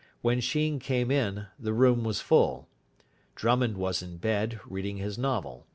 When Sheen came in, the room was full. Drummond was in bed, reading his novel.